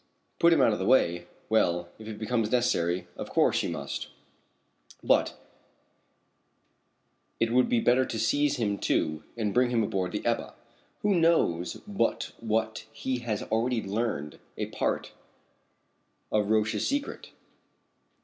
"Put him out of the way well, if it becomes absolutely necessary of course you must, but it would be better to seize him too and bring him aboard the Ebba Who knows but what he has already learned a part of Roch's secret?"